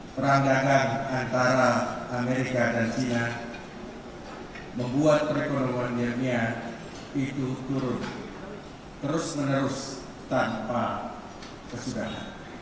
perandangan antara amerika dan china membuat perekonomiannya itu turun terus menerus tanpa kesudahan